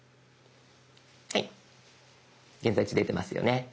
はい現在地出てますよね。